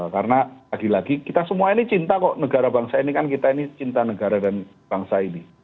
karena lagi lagi kita semua ini cinta kok negara bangsa ini kan kita ini cinta negara dan bangsa ini